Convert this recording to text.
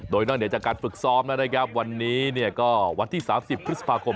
โดยนอกจากการฝึกซ้อมนะครับวันนี้ก็วันที่๓๐พฤษภาคม